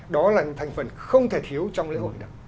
đó là thành phần không thể thiếu trong lễ hội đó